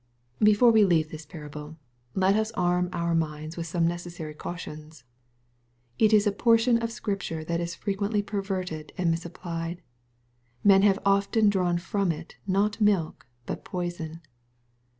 Before we leave this parable, let us arm our minds with some necessary cautions. It is a portion of Scrip ture that is frequently perverted and misapplied. Men have often drawn from it, not milk, but poison.